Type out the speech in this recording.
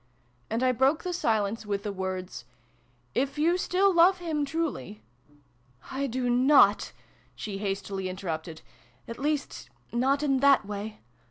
" and I broke the silence with the words " If you still love him truly "I do not!" she hastily interrupted. "At least not in that way.